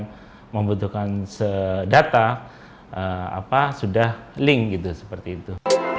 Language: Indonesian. ketiga kementerian membutuhkan data sudah link gitu seperti itu